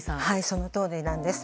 そのとおりなんです。